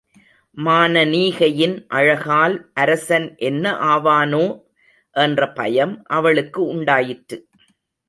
மானனீகையின் அழகால் அரசன் என்ன ஆவானோ? என்ற பயம் அவளுக்கு உண்டாயிற்று.